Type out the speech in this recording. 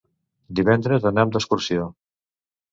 Divendres anam d'excursió.